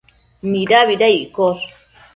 Nidabida iccosh?